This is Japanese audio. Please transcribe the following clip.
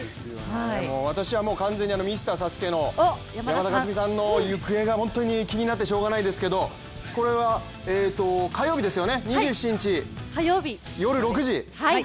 私はもう完全にミスターＳＡＳＵＫＥの山田勝己さんが本当に気になってしょうがいですけれども、これは火曜日ですよね、２７日夜６時。